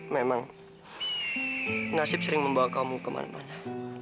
memang nasib sering membawa kamu kemana mana